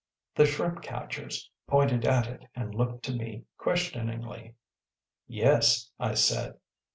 The shrimp catchers pointed at it and looked to me questioningly. ‚ÄúYes,‚ÄĚ I said.